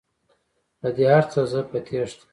له دې هرڅه زه په تیښته